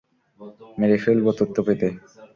মেরে ফেলবো তথ্য পেতে।